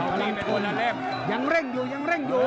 พลังชนยังเร่งอยู่ยังเร่งอยู่